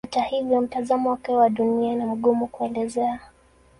Hata hivyo mtazamo wake wa Dunia ni mgumu kuelezea.